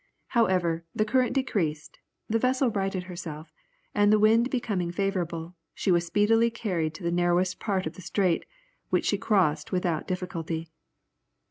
However, the current decreased, the vessel righted herself, and the wind becoming favourable, she was speedily carried to the narrowest part of the strait, which she crossed without difficulty.